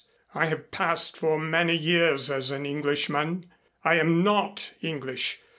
I have passed for many years as an Englishman. I am not English.